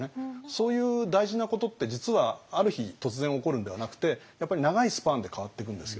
そういう大事なことって実はある日突然起こるんではなくてやっぱり長いスパンで変わっていくんですよ。